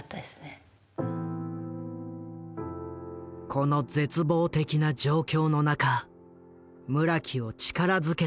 この絶望的な状況の中村木を力づけたものがある。